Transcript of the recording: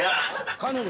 彼女？